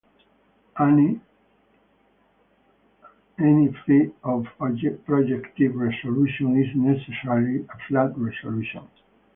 Any free or projective resolution is necessarily a flat resolution.